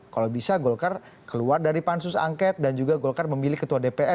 kalau bisa golkar keluar dari pansus angket dan juga golkar memilih ketua dpr